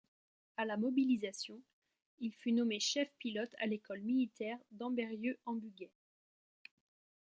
À la mobilisation, il fut nommé chef-pilote à l'école militaire d'Ambérieu-en-Bugey.